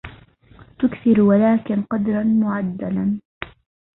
تُكثر ولكن قَدَراً معدَّلا